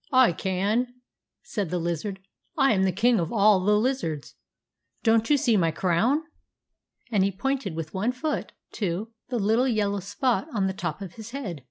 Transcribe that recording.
"/ can," said the lizard, " I am the King of all the Lizards. Don't you see my crown ?" And he pointed with one foot to 6 THE ADVENTURES OF MABEL * the little yellow spot on the top of his head.